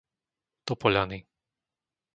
Topoľany